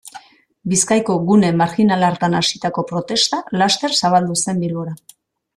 Bizkaiko gune marjinal hartan hasitako protesta laster zabaldu zen Bilbora.